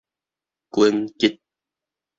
拳擊